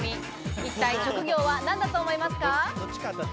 一体、職業は何だと思いますか？